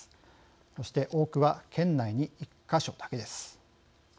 そして、多くは県内に１か所だけです。